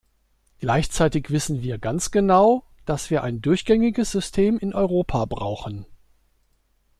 Gleichzeitig wissen wir ganz genau, dass wir ein durchgängiges System in Europa brauchen.